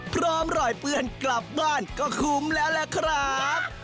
พร้อมรอยเปื้อนกลับบ้านก็คุ้มแล้วล่ะครับ